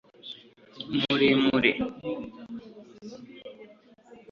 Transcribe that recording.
muremure